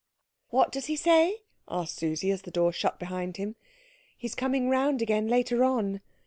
"What does he say?" asked Susie, as the door shut behind him. "He's coming round again later on."